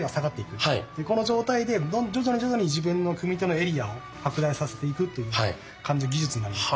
この状態で徐々に徐々に自分の組み手のエリアを拡大させていくという技術になります。